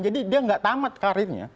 jadi dia gak tamat karirnya